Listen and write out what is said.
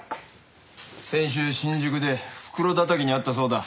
先週新宿で袋叩きに遭ったそうだ。